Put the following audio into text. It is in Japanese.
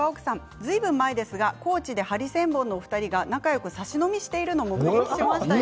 ずいぶん前ですが高知でハリセンボンの２人が仲よく差し飲みしているのを目撃しましたよ。